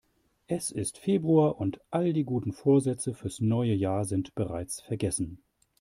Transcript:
Es ist Februar und all die guten Vorsätze fürs neue Jahr sind bereits vergessen.